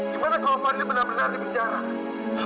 gimana kalau fadil benar benar dibicarakan